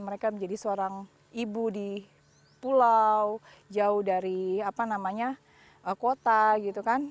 mereka menjadi seorang ibu di pulau jauh dari apa namanya kota gitu kan